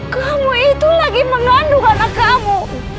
kamu itu lagi mengandung anak kamu